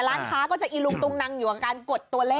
ร้านค้าก็จะอิลุงตุงนังอยู่กันกดตัวแรกเนี่ย